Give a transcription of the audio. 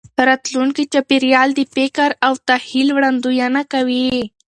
راتلونکي چاپېریال د فکر او تخیل وړاندوینه کوي.